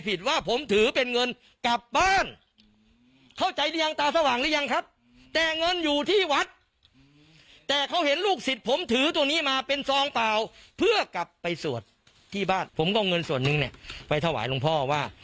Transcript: ผมก็เอาเงินส่วนหนึ่งเนี่ยไปถวายหลวงพ่อว่า